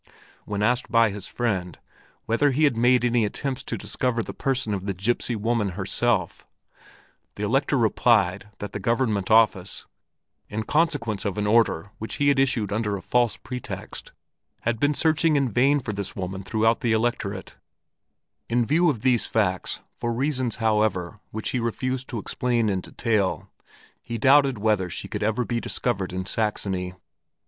When asked by his friend whether he had made any attempts to discover the person of the gipsy woman herself, the Elector replied that the Government Office, in consequence of an order which he had issued under a false pretext, had been searching in vain for this woman throughout the Electorate; in view of these facts, for reasons, however, which he refused to explain in detail, he doubted whether she could ever be discovered in Saxony.